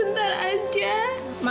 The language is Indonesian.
tolong taruh tas b ini di atas bayi saya